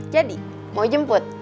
jadi mau jemput